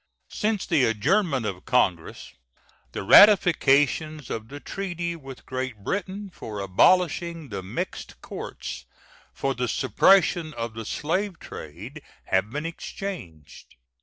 Since the adjournment of Congress the ratifications of the treaty with Great Britain for abolishing the mixed courts for the suppression of the slave trade have been exchanged.